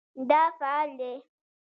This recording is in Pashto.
دا فعل دی